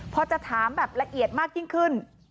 พอจะถามแบบละเอียดมากยิ่งขึ้น